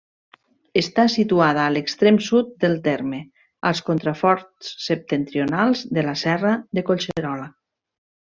Està situada a l'extrem sud del terme, als contraforts septentrionals de la serra de Collserola.